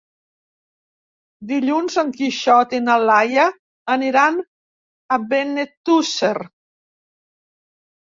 Dilluns en Quixot i na Laia aniran a Benetússer.